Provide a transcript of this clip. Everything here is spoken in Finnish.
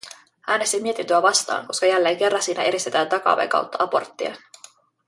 Äänestin mietintöä vastaan, koska jälleen kerran siinä edistetään takaoven kautta aborttia.